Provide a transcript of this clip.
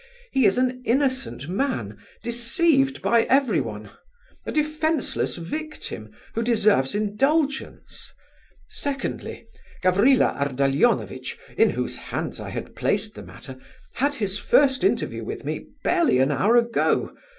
He is an innocent man, deceived by everyone! A defenceless victim, who deserves indulgence! Secondly, Gavrila Ardalionovitch, in whose hands I had placed the matter, had his first interview with me barely an hour ago.